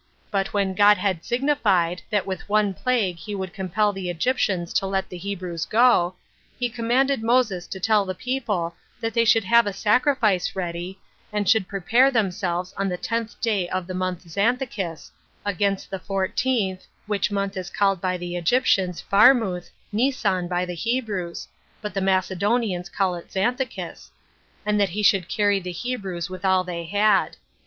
6. But when God had signified, that with one plague he would compel the Egyptians to let Hebrews go, he commanded Moses to tell the people that they should have a sacrifice ready, and they should prepare themselves on the tenth day of the month Xanthicus, against the fourteenth, [which month is called by the Egyptians Pharmuth, Nisan by the Hebrews; but the Macedonians call it Xanthicus,] and that he should carry the Hebrews with all they had.